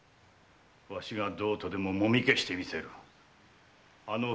わしがどうとでももみ消してみせるわ。